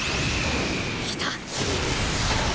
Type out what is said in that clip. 来た！